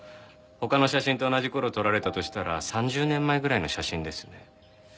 他の写真と同じ頃撮られたとしたら３０年前ぐらいの写真ですね。